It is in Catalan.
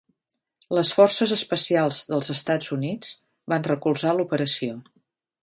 Les Forces Especials dels Estats Units van recolzar l'operació.